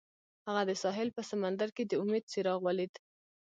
هغه د ساحل په سمندر کې د امید څراغ ولید.